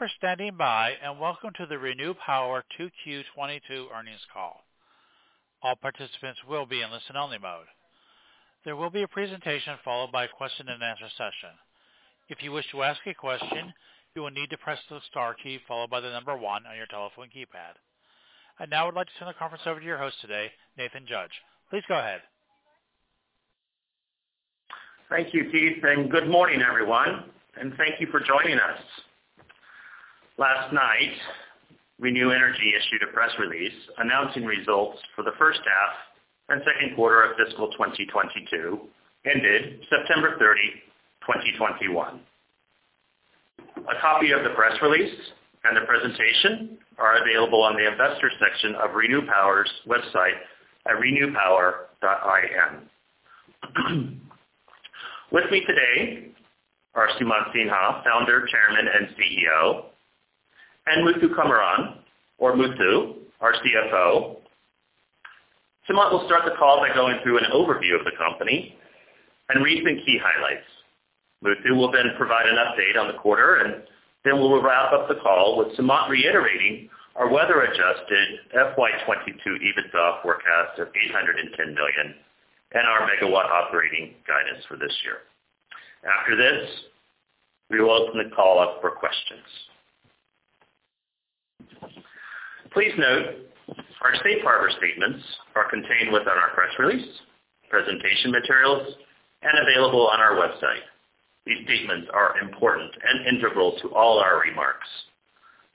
Thank you for standing by, and welcome to the ReNew Power 2Q 2022 earnings call. All participants will be in listen-only mode. There will be a presentation followed by question and answer session. If you wish to ask a question, you will need to press the star key followed by the number one on your telephone keypad. I now would like to turn the conference over to your host today, Nathan Judge. Please go ahead. Thank you, Keith, and good morning, everyone, and thank you for joining us. Last night, ReNew Energy issued a press release announcing results for the first half and second quarter of fiscal 2022 ended September 30, 2021. A copy of the press release and the presentation are available on the investor section of ReNew Power's website at renewpower.in. With me today are Sumant Sinha, Founder, Chairman, and CEO, and Kailash Vaswani or Muthu, our CFO. Sumant will start the call by going through an overview of the company and recent key highlights. Muthu will then provide an update on the quarter, and then we'll wrap up the call with Sumant reiterating our weather adjusted FY 2022 EBITDA forecast of $810 million and our megawatt operating guidance for this year. After this, we will open the call up for questions. Please note our Safe Harbor statements are contained within our press release, presentation materials and available on our website. These statements are important and integral to all our remarks.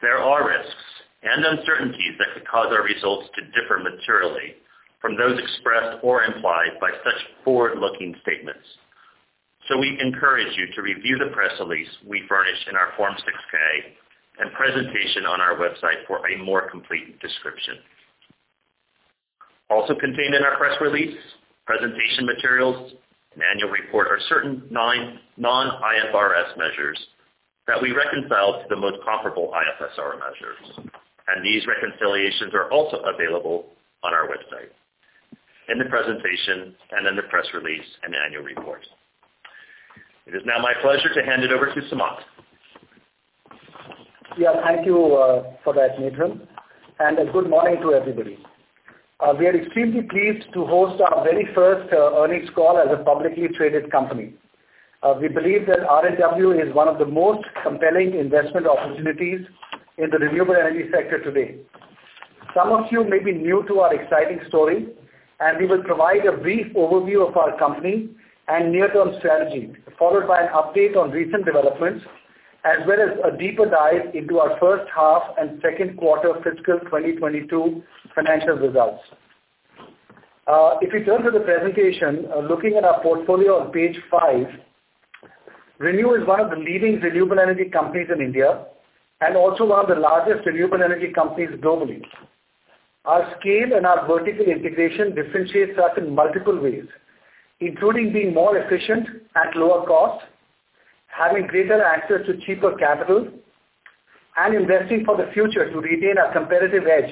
There are risks and uncertainties that could cause our results to differ materially from those expressed or implied by such forward-looking statements. We encourage you to review the press release we furnish in our Form 6-K and presentation on our website for a more complete description. Also contained in our press release, presentation materials and annual report are certain non-IFRS measures that we reconcile to the most comparable IFRS measures, and these reconciliations are also available on our website in the presentation and in the press release and annual report. It is now my pleasure to hand it over to Sumant Sinha. Yeah, thank you for that, Nathan. Good morning to everybody. We are extremely pleased to host our very first earnings call as a publicly traded company. We believe that RNW is one of the most compelling investment opportunities in the renewable energy sector today. Some of you may be new to our exciting story, and we will provide a brief overview of our company and near-term strategy, followed by an update on recent developments, as well as a deeper dive into our first half and second quarter fiscal 2022 financial results. If we turn to the presentation, looking at our portfolio on page five, ReNew is one of the leading renewable energy companies in India and also one of the largest renewable energy companies globally. Our scale and our vertical integration differentiates us in multiple ways, including being more efficient at lower cost, having greater access to cheaper capital, and investing for the future to retain our competitive edge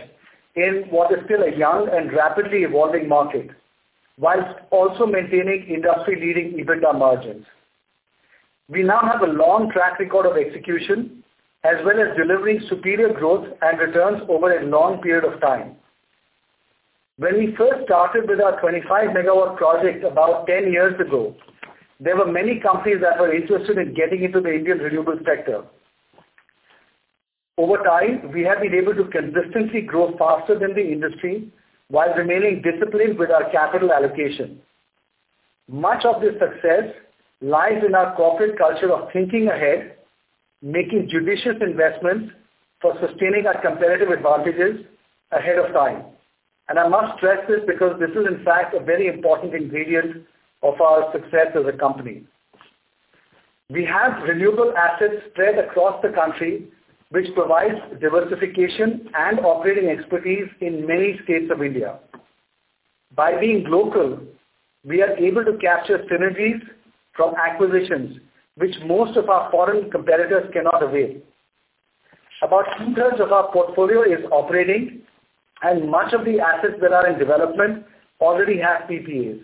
in what is still a young and rapidly evolving market, while also maintaining industry-leading EBITDA margins. We now have a long track record of execution, as well as delivering superior growth and returns over a long period of time. When we first started with our 25 MW project about 10 years ago, there were many companies that were interested in getting into the Indian renewable sector. Over time, we have been able to consistently grow faster than the industry while remaining disciplined with our capital allocation. Much of this success lies in our corporate culture of thinking ahead, making judicious investments for sustaining our competitive advantages ahead of time. I must stress this because this is in fact a very important ingredient of our success as a company. We have renewable assets spread across the country, which provides diversification and operating expertise in many states of India. By being local, we are able to capture synergies from acquisitions, which most of our foreign competitors cannot avail. About two-thirds of our portfolio is operating and much of the assets that are in development already have PPAs.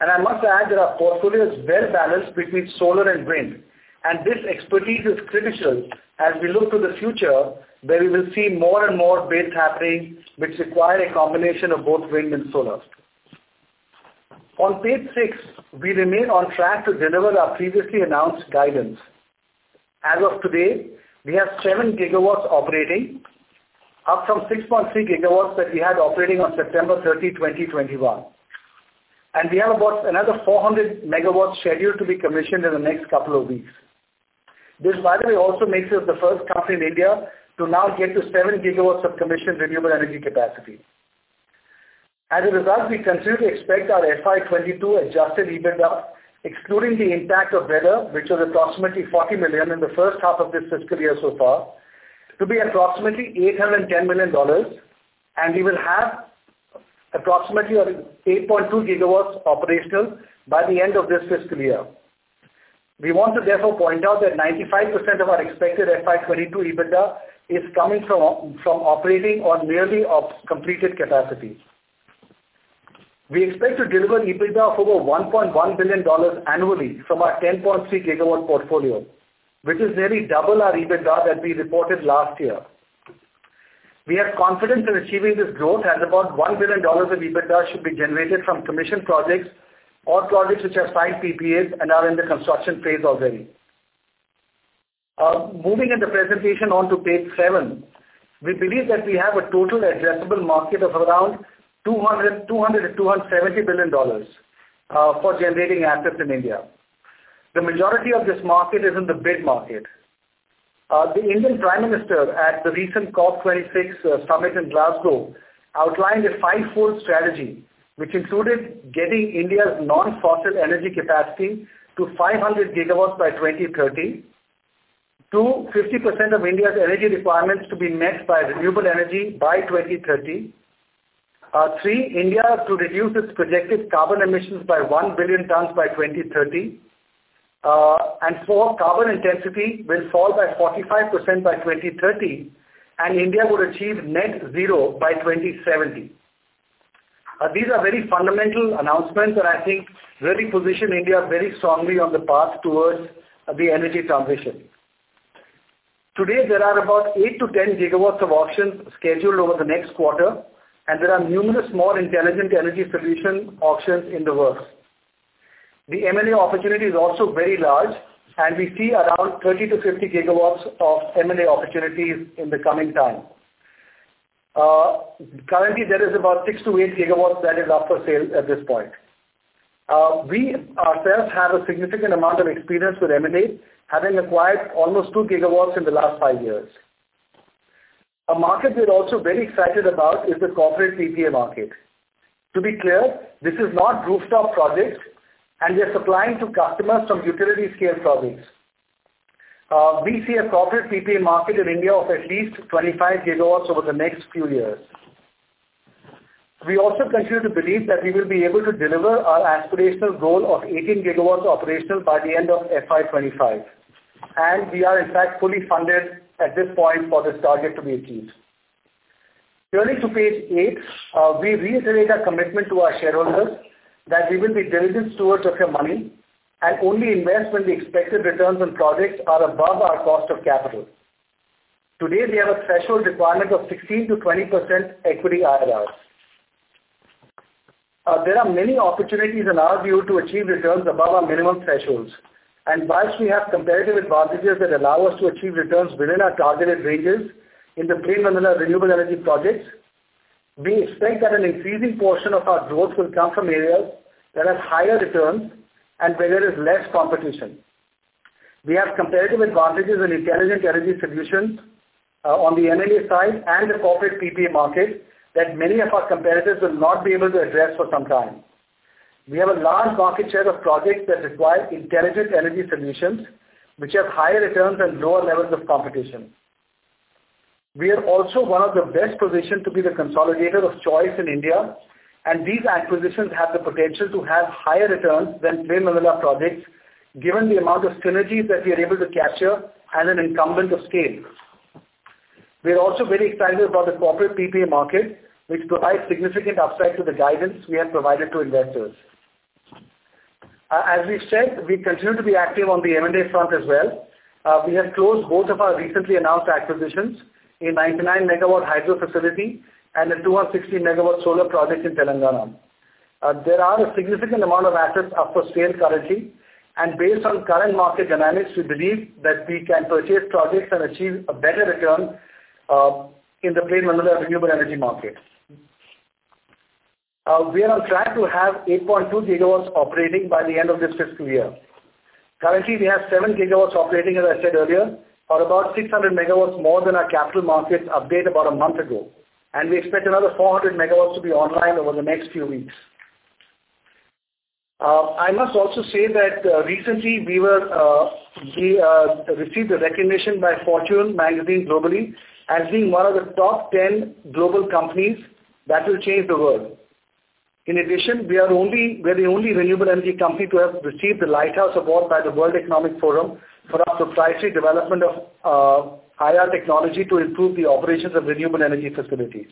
I must add that our portfolio is well balanced between solar and wind, and this expertise is critical as we look to the future, where we will see more and more bids happening which require a combination of both wind and solar. On page six, we remain on track to deliver our previously announced guidance. As of today, we have 7 GW operating, up from 6.3 GW that we had operating on September 30, 2021. We have about another 400 MW scheduled to be commissioned in the next couple of weeks. This, by the way, also makes us the first company in India to now get to 7 GW of commissioned renewable energy capacity. As a result, we continue to expect our FY 2022 adjusted EBITDA, excluding the impact of weather, which was approximately $40 million in the first half of this fiscal year so far, to be approximately $810 million, and we will have approximately 8.2 GW operational by the end of this fiscal year. We want to therefore point out that 95% of our expected FY 2022 EBITDA is coming from operating off completed capacity. We expect to deliver EBITDA of over $1.1 billion annually from our 10.3 GW portfolio, which is nearly double our EBITDA that we reported last year. We have confidence in achieving this growth as about $1 billion in EBITDA should be generated from commissioned projects or projects which have signed PPAs and are in the construction phase already. Moving on in the presentation to page seven. We believe that we have a total addressable market of around $200 billion-$270 billion for generation assets in India. The majority of this market is in the bid market. The Indian Prime Minister at the recent COP26 summit in Glasgow outlined a five-fold strategy which included getting India's non-fossil energy capacity to 500 GW by 2030. Two, 50% of India's energy requirements to be met by renewable energy by 2030. Three, India to reduce its projected carbon emissions by 1 billion tons by 2030. Four, Carbon intensity will fall by 45% by 2030, and India would achieve net zero by 2070. These are very fundamental announcements that I think really position India very strongly on the path towards the energy transition. Today, there are about 8 GW-10 GW of auctions scheduled over the next quarter, and there are numerous more intelligent energy solution auctions in the works. The M&A opportunity is also very large, and we see around 30 GW-50 GW of M&A opportunities in the coming time. Currently there is about 6-8 GW that is up for sale at this point. We ourselves have a significant amount of experience with M&A, having acquired almost 2 GW in the last five years. A market we're also very excited about is the corporate PPA market. To be clear, this is not rooftop projects, and we are supplying to customers from utility scale projects. We see a corporate PPA market in India of at least 25 GW over the next few years. We also continue to believe that we will be able to deliver our aspirational goal of 18 GW operational by the end of FY 2025, and we are in fact fully funded at this point for this target to be achieved. Turning to page eight. We reiterate our commitment to our shareholders that we will be diligent stewards of your money and only invest when the expected returns on projects are above our cost of capital. Today, we have a threshold requirement of 16%-20% equity IRRs. There are many opportunities in our view to achieve returns above our minimum thresholds. While we have competitive advantages that allow us to achieve returns within our targeted ranges in the plain vanilla renewable energy projects, we expect that an increasing portion of our growth will come from areas that have higher returns and where there is less competition. We have competitive advantages in intelligent energy solutions, on the M&A side and the corporate PPA market that many of our competitors will not be able to address for some time. We have a large market share of projects that require intelligent energy solutions which have higher returns and lower levels of competition. We are also one of the best positioned to be the consolidator of choice in India, and these acquisitions have the potential to have higher returns than plain vanilla projects, given the amount of synergies that we are able to capture and an incumbent of scale. We are also very excited about the corporate PPA market, which provides significant upside to the guidance we have provided to investors. We've said, we continue to be active on the M&A front as well. We have closed both of our recently announced acquisitions, a 99 MW hydro facility and a 260 MW solar project in Telangana. There are a significant amount of assets up for sale currently, and based on current market dynamics, we believe that we can purchase projects and achieve a better return in the plain vanilla renewable energy market. We are on track to have 8.2 GW operating by the end of this fiscal year. Currently, we have 7 GW operating, as I said earlier, or about 600 MW more than our capital market update about a month ago. We expect another 400 MW to be online over the next few weeks. I must also say that recently we received a recognition by Fortune Magazine globally as being one of the top 10 global companies that will change the world. In addition, we're the only renewable energy company to have received the Lighthouse Award by the World Economic Forum for our proprietary development of AI technology to improve the operations of renewable energy facilities.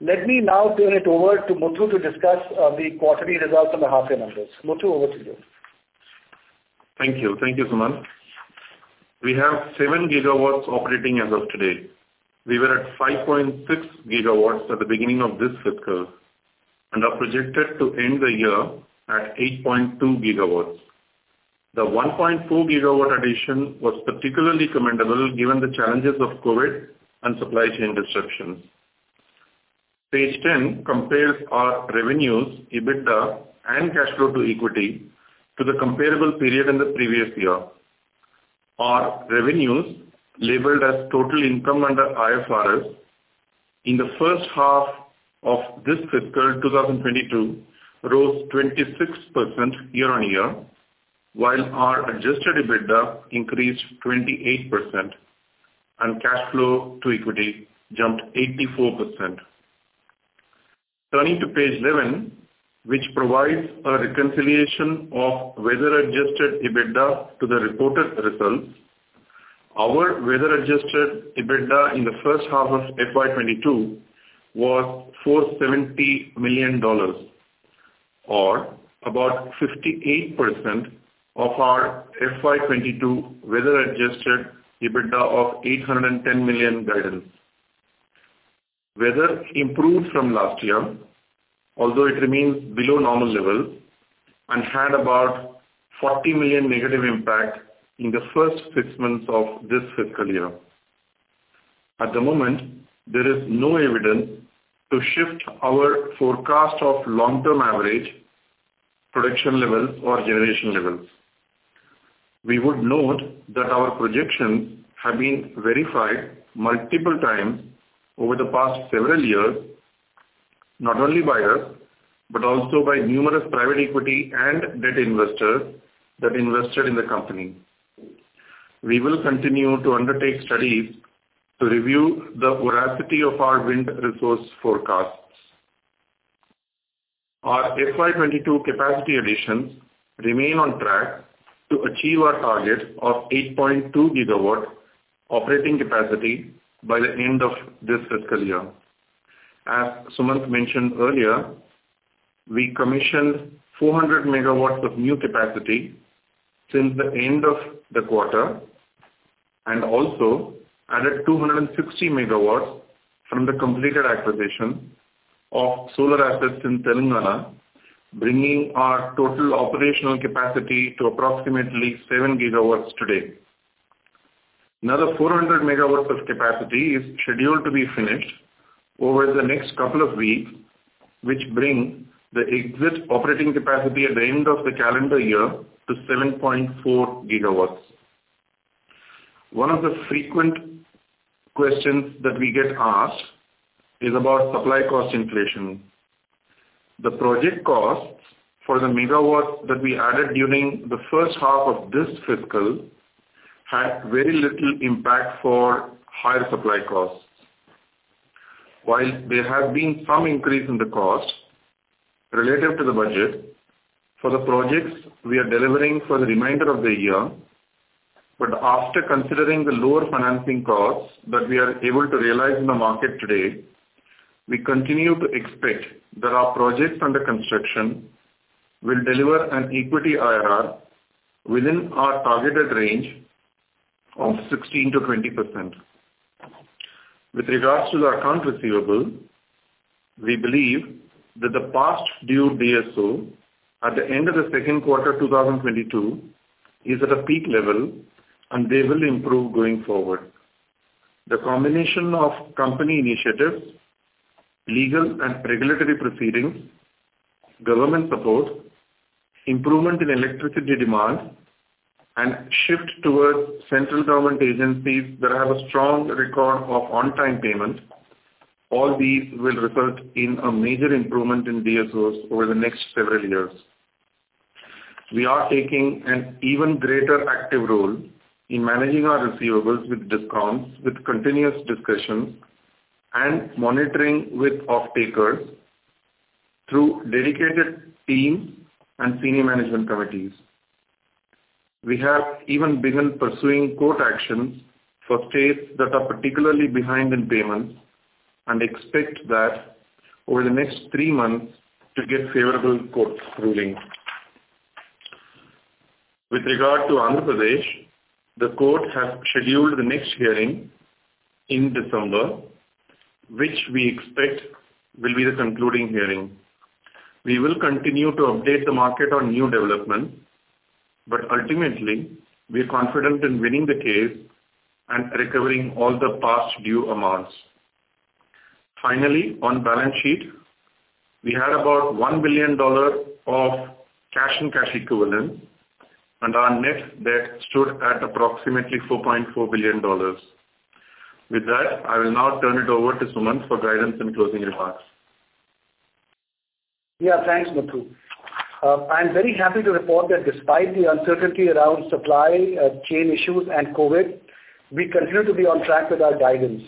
Let me now turn it over to Kailash Vaswani to discuss the quarterly results and the half-year numbers. Kailash Vaswani, over to you. Thank you. Thank you, Sumant. We have 7 GW operating as of today. We were at 5.6 GW at the beginning of this fiscal and are projected to end the year at 8.2 GW. The 1.4 GW addition was particularly commendable given the challenges of COVID and supply chain disruptions. Page 10 compares our revenues, EBITDA, and cash flow to equity to the comparable period in the previous year. Our revenues, labeled as total income under IFRS in the first half of this fiscal, 2022, rose 26% year-on-year, while our adjusted EBITDA increased 28% and cash flow to equity jumped 84%. Turning to page 11, which provides a reconciliation of weather-adjusted EBITDA to the reported results. Our weather-adjusted EBITDA in the first half of FY 2022 was $470 million or about 58% of our FY 2022 weather-adjusted EBITDA of $810 million guidance. Weather improved from last year, although it remains below normal level and had about $40 million negative impact in the first six months of this fiscal year. At the moment, there is no evidence to shift our forecast of long-term average production levels or generation levels. We would note that our projections have been verified multiple times over the past several years, not only by us, but also by numerous private equity and debt investors that invested in the company. We will continue to undertake studies to review the veracity of our wind resource forecasts. Our FY 2022 capacity additions remain on track to achieve our target of 8.2 GW operating capacity by the end of this fiscal year. As Sumant mentioned earlier, we commissioned 400 MW of new capacity since the end of the quarter and also added 260 MW from the completed acquisition of solar assets in Telangana, bringing our total operational capacity to approximately 7 GW today. Another 400 MW of capacity is scheduled to be finished over the next couple of weeks, which bring the exit operating capacity at the end of the calendar year to 7.4 GW. One of the frequent questions that we get asked is about supply cost inflation. The project costs for the megawatts that we added during the first half of this fiscal had very little impact for higher supply costs. While there have been some increase in the cost related to the budget for the projects we are delivering for the remainder of the year. After considering the lower financing costs that we are able to realize in the market today, we continue to expect that our projects under construction will deliver an equity IRR within our targeted range of 16%-20%. With regards to the accounts receivable, we believe that the past due DSO at the end of the second quarter 2022 is at a peak level and they will improve going forward. The combination of company initiatives, legal and regulatory proceedings, government support, improvement in electricity demand and shift towards central government agencies that have a strong record of on time payments, all these will result in a major improvement in DSOs over the next several years. We are taking an even greater active role in managing our receivables with discounts, with continuous discussions and monitoring with off-takers through dedicated teams and senior management committees. We have even begun pursuing court actions for states that are particularly behind in payments and expect that over the next three months to get favorable court rulings. With regard to Andhra Pradesh, the court has scheduled the next hearing in December, which we expect will be the concluding hearing. We will continue to update the market on new developments, but ultimately we are confident in winning the case and recovering all the past due amounts. Finally, on balance sheet, we had about $1 billion of cash and cash equivalents, and our net debt stood at approximately $4.4 billion. With that, I will now turn it over to Sumant for guidance and closing remarks. Yeah. Thanks, Kailash. I'm very happy to report that despite the uncertainty around supply chain issues and COVID, we continue to be on track with our guidance.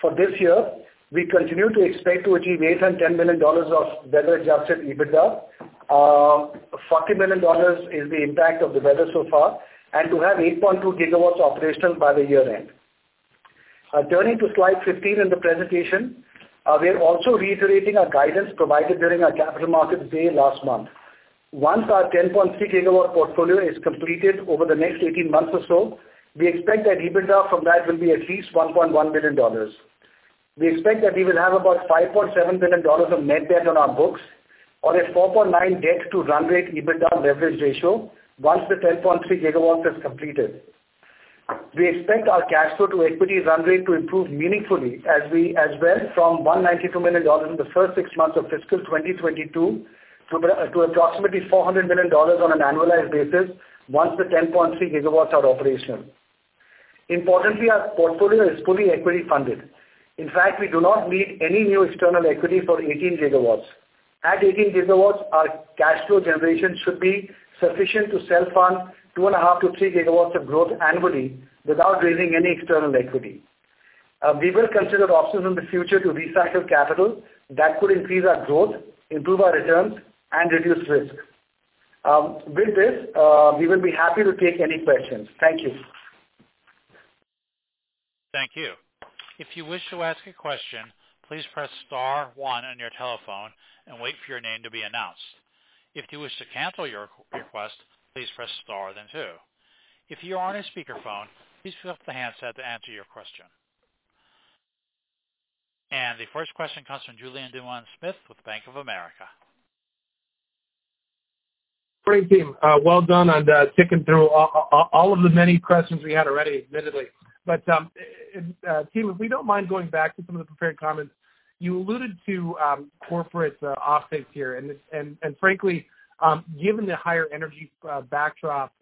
For this year, we continue to expect to achieve $810 million of weather adjusted EBITDA. $40 million is the impact of the weather so far, to have 8.2 GW operational by the year end. Turning to slide 15 in the presentation, we are also reiterating our guidance provided during our Capital Markets Day last month. Once our 10.3 GW portfolio is completed over the next 18 months or so, we expect that EBITDA from that will be at least $1.1 billion. We expect that we will have about $5.7 billion of net debt on our books on a 4.9 debt-to run rate EBITDA leverage ratio, once the 10.3 GW is completed. We expect our cash flow to equity run rate to improve meaningfully as well from $192 million in the first six months of fiscal 2022 to approximately $400 million on an annualized basis once the 10.3 GW are operational. Importantly, our portfolio is fully equity funded. In fact, we do not need any new external equity for 18 GW. At 18 GW, our cash flow generation should be sufficient to self-fund 2.5-3 GW of growth annually without raising any external equity. We will consider options in the future to recycle capital that could increase our growth, improve our returns and reduce risk. With this, we will be happy to take any questions. Thank you. Thank you. If you wish to ask a question please press star one on your telephone and wait for your name to be announced. If you wish to cancel your request please press star then two. If you are on speaker phone please press the hand to ask your question. The first question comes from Julien Dumoulin-Smith with Bank of America. Great team. Well done on sticking through all of the many questions we had already, admittedly. Team, if we don't mind going back to some of the prepared comments you alluded to, corporate offsets here. Frankly, given the higher energy backdrop,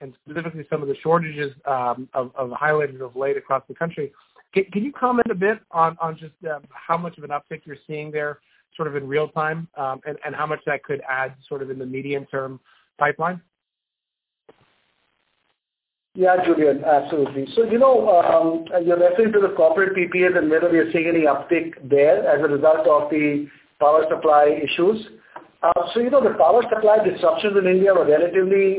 and specifically some of the shortages highlighted of late across the country, can you comment a bit on just how much of an uptick you're seeing there, sort of in real time, and how much that could add sort of in the medium-term pipeline? Yeah, Julien, absolutely. You know, as you're referring to the corporate PPAs and whether we are seeing any uptick there as a result of the power supply issues. You know, the power supply disruptions in India were relatively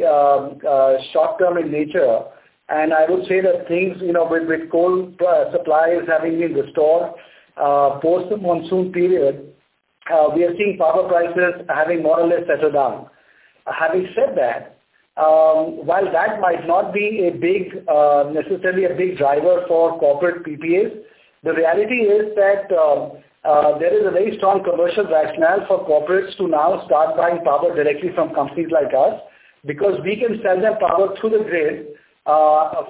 short-term in nature. I would say that things, you know, with coal supplies having been restored post the monsoon period, we are seeing power prices having more or less settled down. Having said that, while that might not be a big, necessarily a big driver for corporate PPAs, the reality is that there is a very strong commercial rationale for corporates to now start buying power directly from companies like us, because we can sell them power through the grid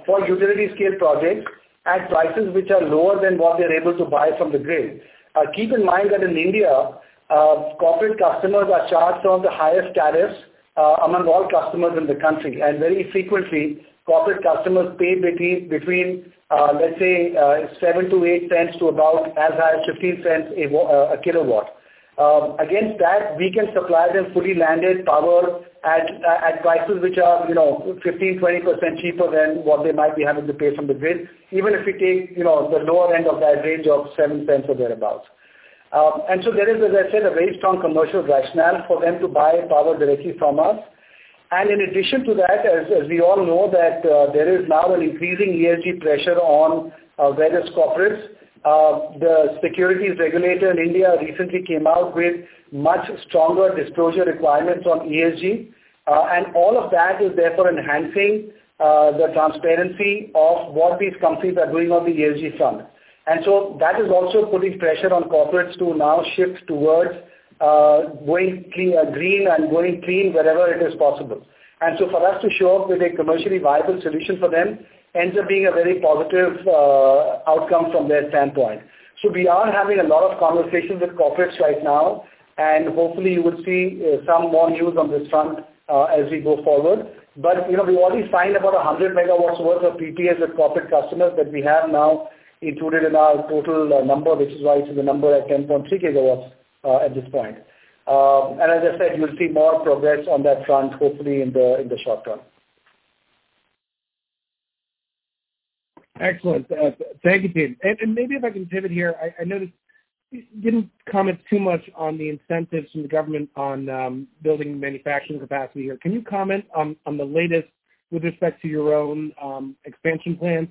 for utility scale projects at prices which are lower than what they're able to buy from the grid. Keep in mind that in India, corporate customers are charged some of the highest tariffs among all customers in the country. Very frequently, corporate customers pay between, let's say, $0.07-$0.08 to about as high as $0.15 a KW. Against that, we can supply them fully landed power at prices which are, you know, 15%-20% cheaper than what they might be having to pay from the grid, even if we take, you know, the lower end of that range of $0.07 or thereabout. There is, as I said, a very strong commercial rationale for them to buy power directly from us. In addition to that, as we all know that there is now an increasing ESG pressure on various corporates. The securities regulator in India recently came out with much stronger disclosure requirements on ESG. All of that is therefore enhancing the transparency of what these companies are doing on the ESG front. That is also putting pressure on corporates to now shift towards going green and going clean wherever it is possible. For us to show up with a commercially viable solution for them ends up being a very positive outcome from their standpoint. We are having a lot of conversations with corporates right now, and hopefully you will see some more news on this front as we go forward. You know, we've already signed about 100 MW worth of PPAs with corporate customers that we have now included in our total number, which is why you see the number at 10.3 GW at this point. As I said, you'll see more progress on that front, hopefully in the short term. Excellent. Thank you, team. Maybe if I can pivot here, I noticed you didn't comment too much on the incentives from the government on building manufacturing capacity here. Can you comment on the latest with respect to your own expansion plans,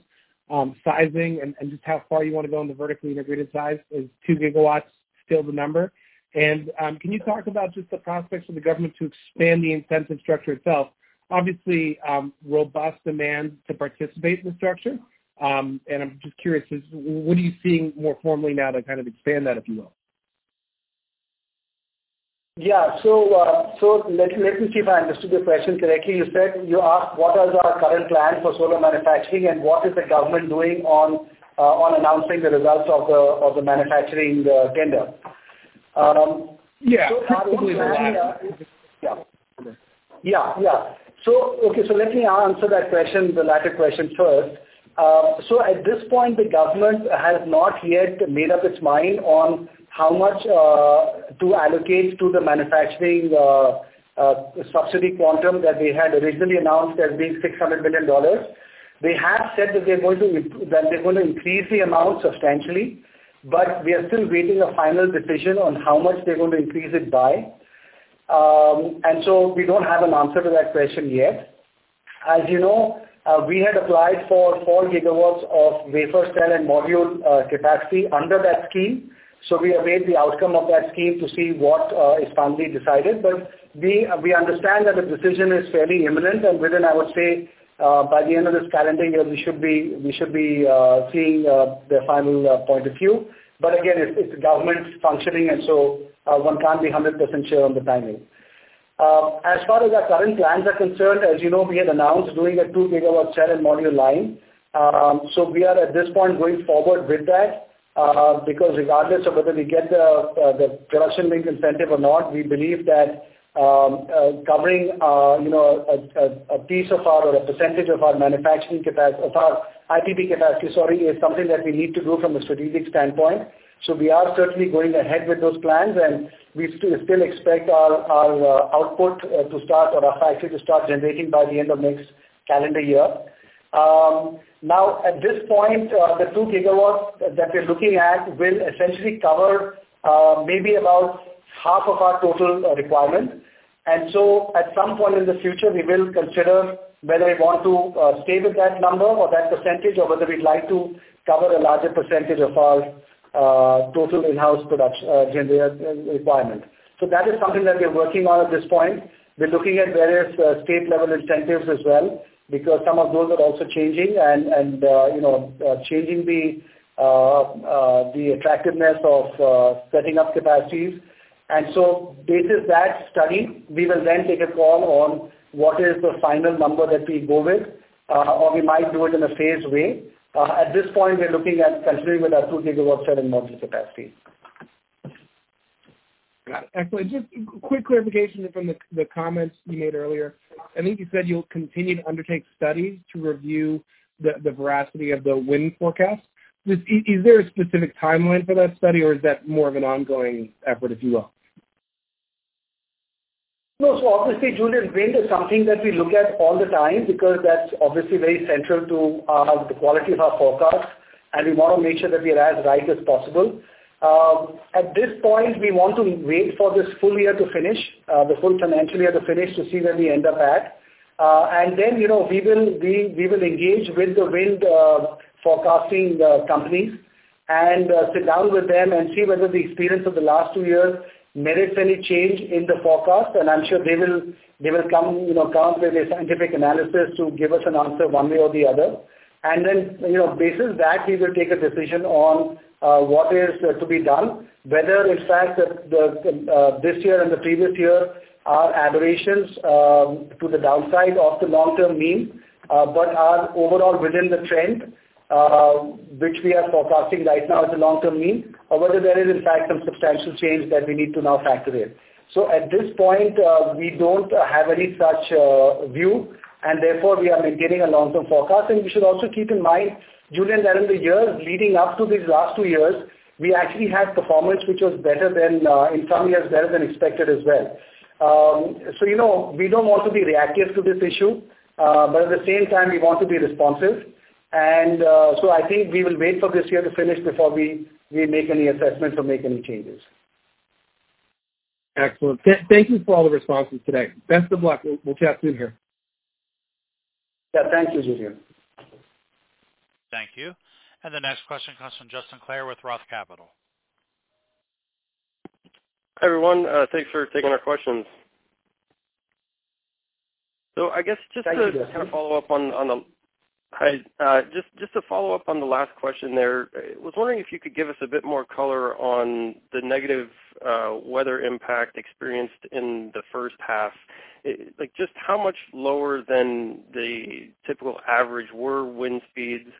sizing and just how far you wanna go on the vertically integrated size? Is 2 GW still the number? Can you talk about just the prospects for the government to expand the incentive structure itself? Obviously, robust demand to participate in the structure. I'm just curious, what are you seeing more formally now to kind of expand that, if you will? Yeah. Let me see if I understood your question correctly. You asked what is our current plan for solar manufacturing and what is the government doing on announcing the results of the manufacturing agenda? Yeah. Basically that. Yeah. Okay, let me answer that question, the latter question first. At this point, the government has not yet made up its mind on how much to allocate to the manufacturing subsidy quantum that they had originally announced as INR 600 billion. They have said that they're going to increase the amount substantially, but we are still waiting for a final decision on how much they're going to increase it by. We don't have an answer to that question yet. As you know, we had applied for 4 GW of wafer, cell, and module capacity under that scheme. We await the outcome of that scheme to see what is finally decided. We understand that the decision is fairly imminent and within, I would say, by the end of this calendar year, we should be seeing their final point of view. Again, it's government functioning and so, one can't be 100% sure on the timing. As far as our current plans are concerned, as you know, we had announced doing a 2 GW cell and module line. So we are at this point going forward with that, because regardless of whether we get the Production Linked Incentive or not, we believe that covering, you know, a piece of our or a percentage of our manufacturing of our IPP capacity, sorry, is something that we need to do from a strategic standpoint. We are certainly going ahead with those plans, and we still expect our output to start or our factory to start generating by the end of next calendar year. Now, at this point, the 2 GW that we're looking at will essentially cover maybe about half of our total requirement. At some point in the future, we will consider whether we want to stay with that number or that percentage or whether we'd like to cover a larger percentage of our total in-house production generation requirement. That is something that we are working on at this point. We're looking at various state level incentives as well, because some of those are also changing and you know changing the attractiveness of setting up capacities. Based on that study, we will then take a call on what is the final number that we go with, or we might do it in a phased way. At this point, we're looking at considering with our 2 GW module capacity. Got it. Actually, just quick clarification from the comments you made earlier. I think you said you'll continue to undertake studies to review the veracity of the wind forecast. Is there a specific timeline for that study, or is that more of an ongoing effort, if you will? No. Obviously, Julien, wind is something that we look at all the time because that's obviously very central to the quality of our forecast, and we want to make sure that we are as right as possible. At this point, we want to wait for this full year to finish, the full financial year to finish to see where we end up at. Then, you know, we will engage with the wind forecasting companies and sit down with them and see whether the experience of the last two years merits any change in the forecast. I'm sure they will come, you know, with a scientific analysis to give us an answer one way or the other. Then, you know, based on that, we will take a decision on what is to be done, whether in fact that the this year and the previous year are aberrations to the downside of the long-term mean, but are overall within the trend which we are forecasting right now as a long-term mean, or whether there is in fact some substantial change that we need to now factor in. At this point, we don't have any such view, and therefore, we are maintaining a long-term forecast. We should also keep in mind, Julien, that in the years leading up to these last two years, we actually had performance which was better than in some years, better than expected as well. You know, we don't want to be reactive to this issue, but at the same time, we want to be responsive. I think we will wait for this year to finish before we make any assessments or make any changes. Excellent. Thank you for all the responses today. Best of luck. We'll chat soon here. Yeah. Thank you, Julien. Thank you. The next question comes from Justin Clare with Roth Capital. Hi, everyone, thanks for taking our questions. I guess just to Thank you. Hi, just to follow up on the last question there. I was wondering if you could give us a bit more color on the negative weather impact experienced in the first half. Like, just how much lower than the typical average were wind speeds?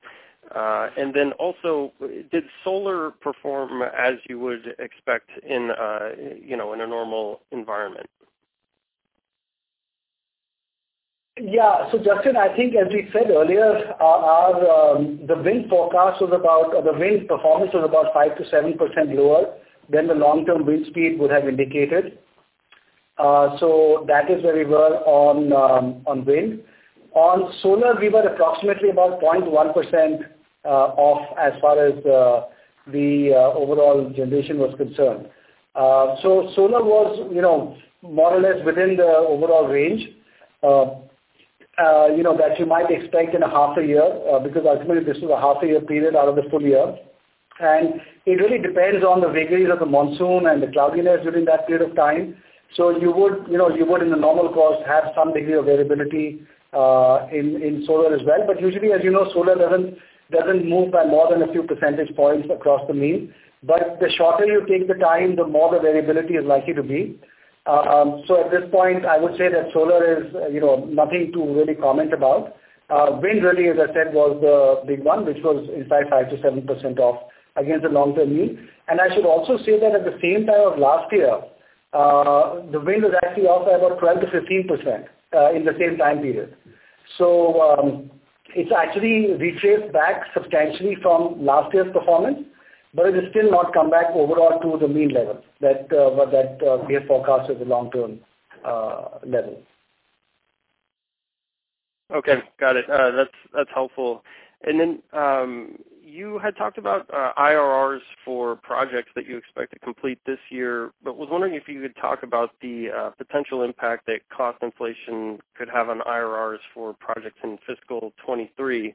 And then also did solar perform as you would expect in, you know, in a normal environment? Justin, I think as we said earlier, the wind performance was about 5%-7% lower than the long-term wind speed would have indicated. That is where we were on wind. On solar, we were approximately 0.1% off as far as the overall generation was concerned. Solar was, you know, more or less within the overall range, you know, that you might expect in a half a year, because ultimately this was a half a year period out of the full year. It really depends on the vagaries of the monsoon and the cloudiness during that period of time. You would, you know, in the normal course have some degree of variability in solar as well. Usually, as you know, solar doesn't move by more than a few percentage points across the mean. The shorter you take the time, the more the variability is likely to be. At this point, I would say that solar is, you know, nothing to really comment about. Wind really, as I said, was the big one, which was in fact 5%-7% off against the long term mean. I should also say that at the same time of last year, the wind was actually off by about 12%-15% in the same time period. It's actually retraced back substantially from last year's performance, but it has still not come back overall to the mean level that we have forecasted the long term level. Okay. Got it. That's helpful. Then you had talked about IRRs for projects that you expect to complete this year. Was wondering if you could talk about the potential impact that cost inflation could have on IRRs for projects in fiscal 2023. You know,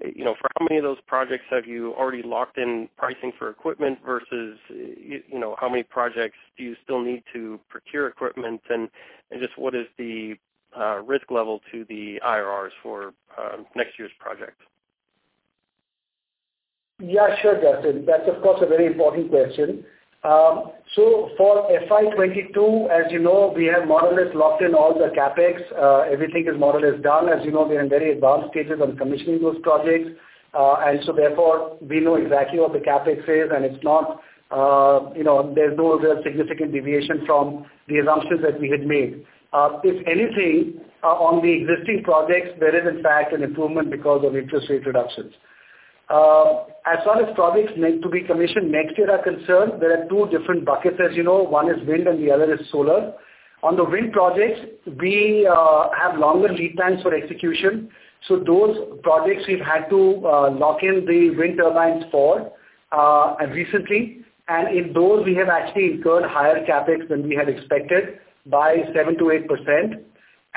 for how many of those projects have you already locked in pricing for equipment versus, you know, how many projects do you still need to procure equipment? Just what is the risk level to the IRRs for next year's projects? Yeah, sure, Justin. That's of course a very important question. For FY 2022, as you know, we have more or less locked in all the CapEx. Everything is more or less done. As you know, we are in very advanced stages on commissioning those projects. Therefore, we know exactly what the CapEx is, and it's not, you know, there's no other significant deviation from the assumptions that we had made. If anything, on the existing projects, there is in fact an improvement because of interest rate reductions. As far as projects meant to be commissioned next year are concerned, there are two different buckets as you know. One is wind and the other is solar. On the wind projects, we have longer lead times for execution. Those projects we've had to lock in the wind turbines for recently. In those, we have actually incurred higher CapEx than we had expected by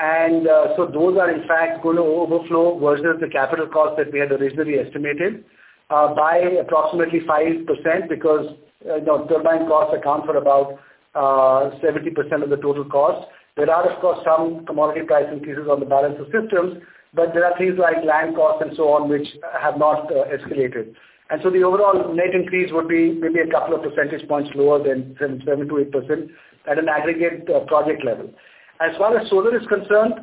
7%-8%. Those are in fact going to overflow versus the capital cost that we had originally estimated by approximately 5% because, you know, turbine costs account for about 70% of the total cost. There are of course some commodity price increases on the balance of systems, but there are things like land costs and so on which have not escalated. The overall net increase would be maybe a couple of percentage points lower than 7%-8% at an aggregate project level. As far as solar is concerned,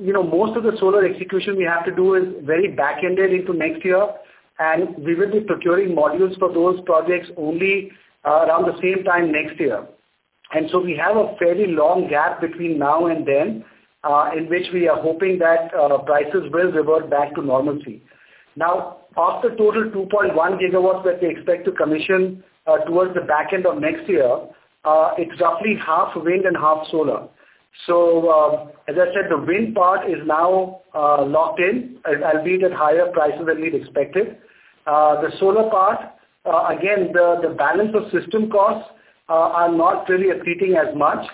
you know, most of the solar execution we have to do is very back-ended into next year, and we will be procuring modules for those projects only around the same time next year. We have a fairly long gap between now and then, in which we are hoping that prices will revert back to normalcy. Now, of the total 2.1 GW that we expect to commission towards the back end of next year, it's roughly half wind and half solar. As I said, the wind part is now locked in, albeit at higher prices than we'd expected. The solar part, again, the balance of system costs are not really accreting as much.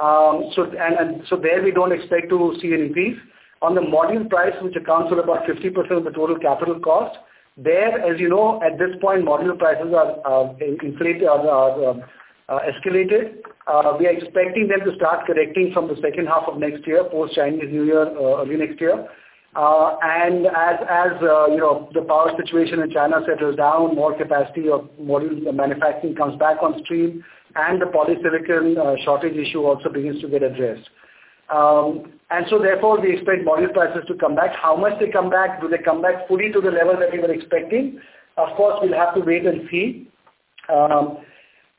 There we don't expect to see an increase. On the module price, which accounts for about 50% of the total capital cost, as you know, at this point, module prices are escalated. We are expecting them to start correcting from the second half of next year, post-Chinese New Year, early next year. As you know, the power situation in China settles down, more capacity of module manufacturing comes back on stream and the polysilicon shortage issue also begins to get addressed. We expect module prices to come back. How much they come back, do they come back fully to the level that we were expecting? Of course, we'll have to wait and see.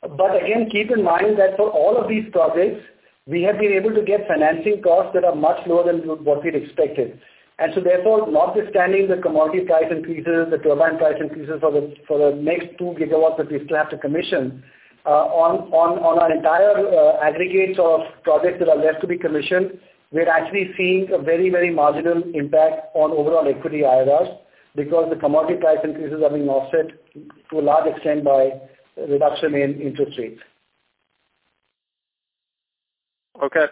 Again, keep in mind that for all of these projects, we have been able to get financing costs that are much lower than what we'd expected. Therefore, notwithstanding the commodity price increases, the turbine price increases for the next 2 GW that we still have to commission on our entire aggregate of projects that are left to be commissioned, we're actually seeing a very, very marginal impact on overall equity IRRs because the commodity price increases are being offset to a large extent by reduction in interest rates. Okay.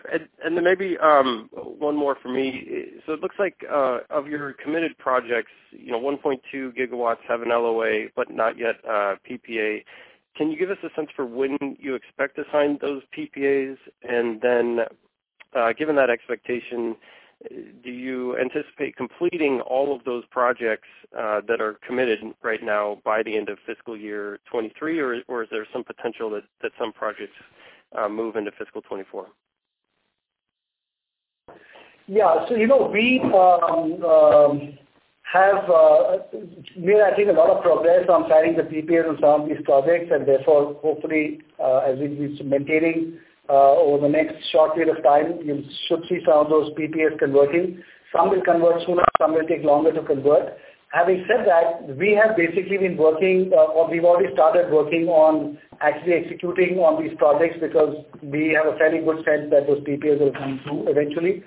Then maybe one more for me. It looks like of your committed projects, you know, 1.2 GW have an LOA but not yet a PPA. Can you give us a sense for when you expect to sign those PPAs? Given that expectation, do you anticipate completing all of those projects that are committed right now by the end of fiscal year 2023, or is there some potential that some projects move into fiscal year 2024? Yeah. You know, we have made I think a lot of progress on signing the PPAs on some of these projects. Therefore, hopefully, as we'll be submitting over the next short period of time, you should see some of those PPAs converting. Some will convert sooner, some will take longer to convert. Having said that, we have basically been working, or we've already started working on actually executing on these projects because we have a fairly good sense that those PPAs will come through eventually.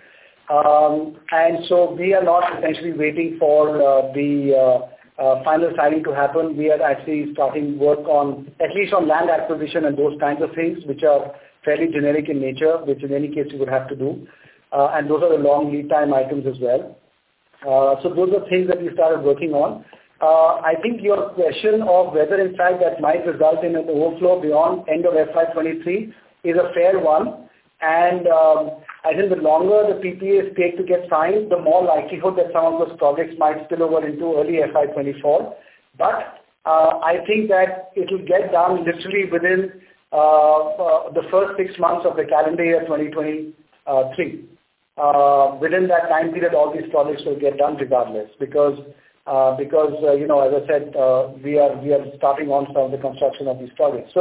We are not essentially waiting for the final signing to happen. We are actually starting work on, at least on land acquisition and those kinds of things, which are fairly generic in nature, which in any case we would have to do. Those are the long lead time items as well. So those are things that we started working on. I think your question of whether in fact that might result in an overflow beyond end of FY 2023 is a fair one. I think the longer the PPAs take to get signed, the more likelihood that some of those projects might spill over into early FY 2024. I think that it'll get done literally within the first six months of the calendar year 2023. Within that time period, all these projects will get done regardless because you know, as I said, we are starting on some of the construction of these projects.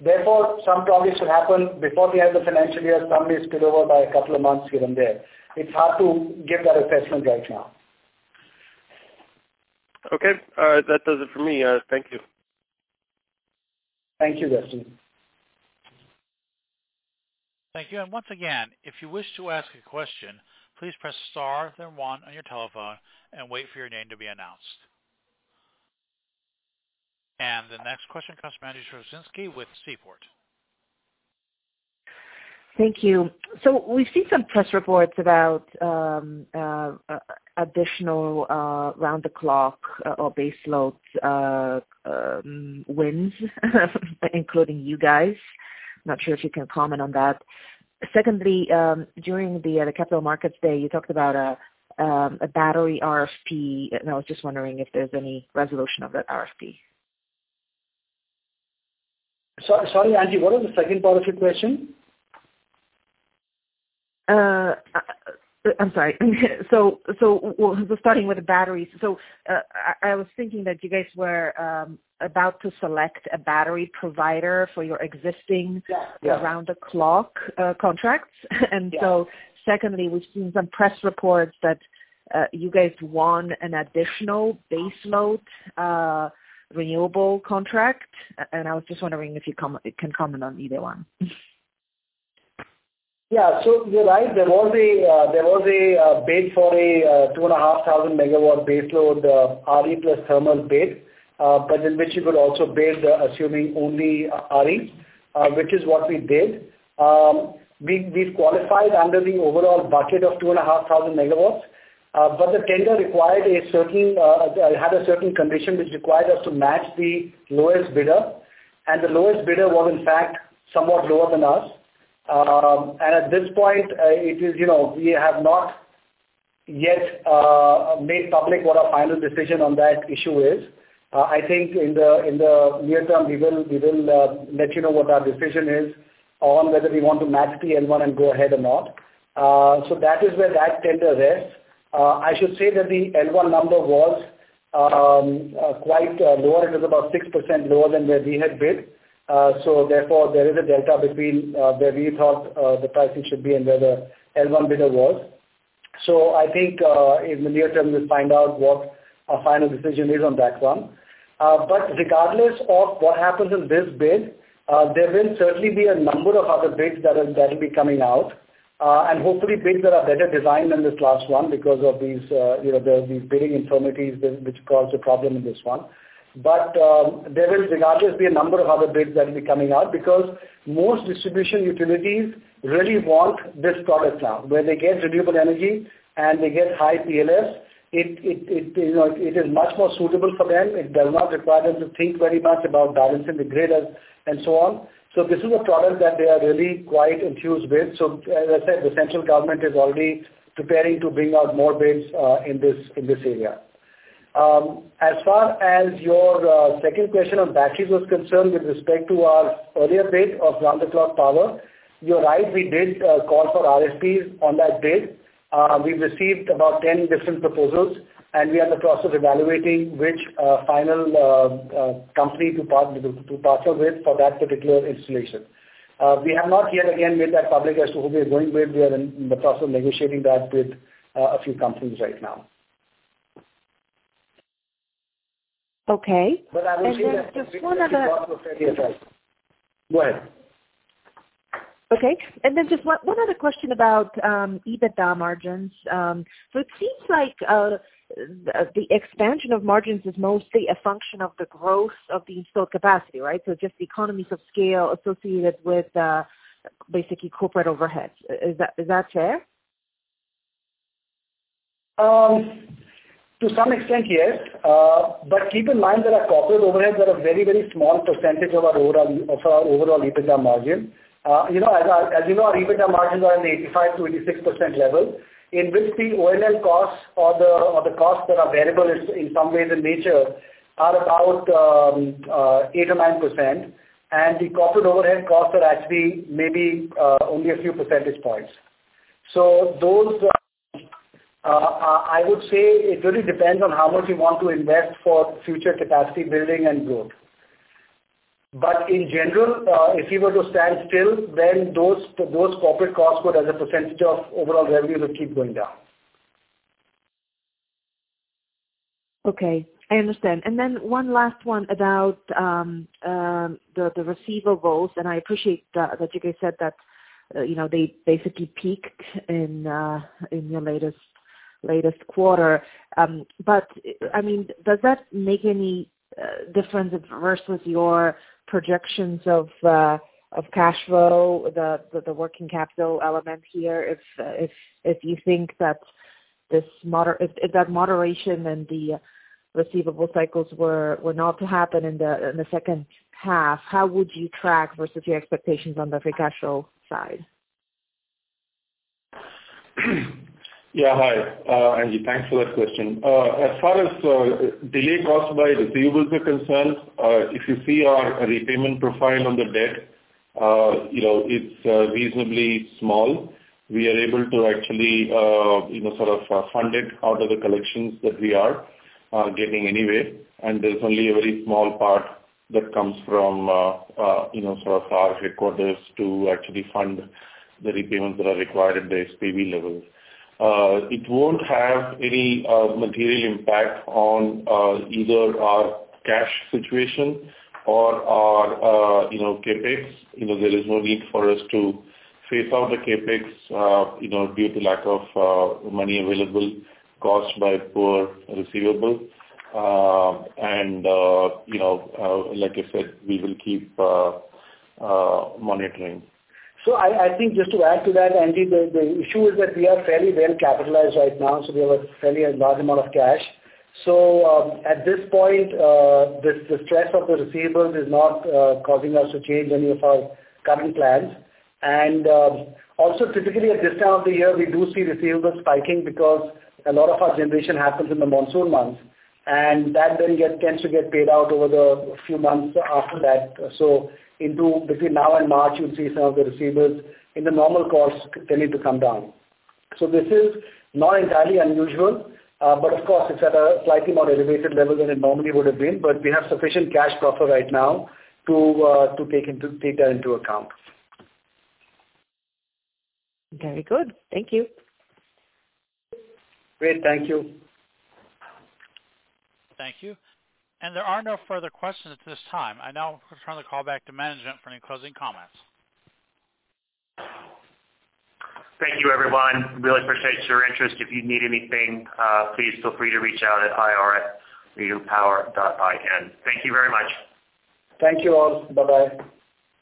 Therefore, some projects should happen before the end of financial year, some may spill over by a couple of months given there. It's hard to give that assessment right now. Okay. That does it for me. Thank you. Thank you, Justin. Thank you. And once again if you wish to ask a question please press star then one on your telephone and wait for your name to be announced. The next question comes from Angie Storozynski with Seaport. Thank you. We've seen some press reports about additional round the clock or baseloads wins, including you guys. Not sure if you can comment on that. Secondly, during the Capital Markets Day, you talked about a battery RFP, and I was just wondering if there's any resolution of that RFP. Sorry, Angie, what was the second part of your question? I'm sorry. Starting with the batteries. I was thinking that you guys were about to select a battery provider for your existing- Yes. Yeah. Round the clock, contracts. Yeah. Secondly, we've seen some press reports that you guys won an additional baseload renewable contract, and I was just wondering if you can comment on either one. Yeah, you're right. There was a bid for a 2,500 MW baseload RE plus thermal bid, but in which you could also bid assuming only RE, which is what we did. We qualified under the overall bucket of 2,500 MW. But the tender had a certain condition which required us to match the lowest bidder, and the lowest bidder was in fact somewhat lower than us. And at this point, you know, we have not yet made public what our final decision on that issue is. I think in the near term, we will let you know what our decision is on whether we want to match the L1 and go ahead or not. So that is where that tender is. I should say that the L1 number was quite lower. It was about 6% lower than where we had bid. So therefore there is a delta between where we thought the pricing should be and where the L1 bidder was. I think in the near term, we'll find out what our final decision is on that one. But regardless of what happens in this bid, there will certainly be a number of other bids that'll be coming out. Hopefully bids that are better designed than this last one because of these, you know, these bidding infirmities that which caused a problem in this one. There will regardless be a number of other bids that'll be coming out because most distribution utilities really want this product now, where they get renewable energy and they get high PLFs. It you know is much more suitable for them. It does not require them to think very much about balancing the grids and so on. This is a product that they are really quite enthused with. As I said, the central government is already preparing to bring out more bids in this area. As far as your second question on batteries was concerned with respect to our earlier bid of round-the-clock power, you're right, we did call for RFPs on that bid. We've received about 10 different proposals, and we are in the process of evaluating which final company to partner with for that particular installation. We have not yet again made that public as to who we are going with. We are in the process of negotiating that with a few companies right now. Okay. I will say that. Just one other If you talk to FDI. Go ahead. Okay. Just one other question about EBITDA margins. It seems like the expansion of margins is mostly a function of the growth of the installed capacity, right? Just the economies of scale associated with basically corporate overhead, is that fair? To some extent, yes. Keep in mind that our corporate overheads are a very small percentage of our overall EBITDA margin. You know, as you know, our EBITDA margins are in the 85%-86% level, in which the O&M costs or the costs that are variable in nature are about 8% or 9%. The corporate overhead costs are actually maybe only a few percentage points. Those, I would say it really depends on how much you want to invest for future capacity building and growth. In general, if you were to stand still, then those corporate costs would, as a percentage of overall revenue, keep going down. Okay, I understand. Then one last one about the receivables, and I appreciate that you guys said that you know, they basically peaked in your latest quarter. I mean, does that make any difference versus your projections of cash flow, the working capital element here? If you think that this moderation in the receivables cycles were not to happen in the second half, how would you track versus your expectations on the free cash flow side? Yeah. Hi, Angie, thanks for that question. As far as delay caused by receivables are concerned, if you see our repayment profile on the debt, you know, it's reasonably small. We are able to actually, you know, sort of fund it out of the collections that we are getting anyway. There's only a very small part that comes from, you know, sort of our receivables to actually fund the repayments that are required at the SPV level. It won't have any material impact on either our cash situation or our, you know, CapEx. You know, there is no need for us to phase out the CapEx, you know, due to lack of money available caused by poor receivables. You know, like I said, we will keep monitoring. I think just to add to that, Angie, the issue is that we are fairly well capitalized right now, so we have a fairly large amount of cash. At this point, the stress of the receivables is not causing us to change any of our current plans. Also typically at this time of the year, we do see receivables spiking because a lot of our generation happens in the monsoon months, and that then tends to get paid out over the few months after that. Between now and March, you'll see some of the receivables in the normal course tending to come down. This is not entirely unusual, but of course it's at a slightly more elevated level than it normally would have been. We have sufficient cash buffer right now to take that into account. Very good. Thank you. Great. Thank you. Thank you. There are no further questions at this time. I now return the call back to management for any closing comments. Thank you everyone. Really appreciate your interest. If you need anything, please feel free to reach out at ir@renew.com. Thank you very much. Thank you all. Bye-bye.